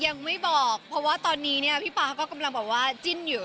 ยังไม่บอกเพราะว่าตอนนี้พี่ปาพูกกำลังว่าจิ้นอยู่